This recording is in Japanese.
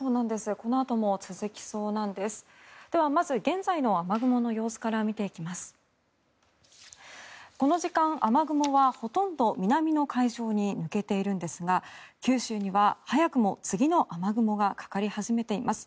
この時間、雨雲はほとんど南の海上に抜けているんですが九州には早くも次の雨雲がかかり始めています。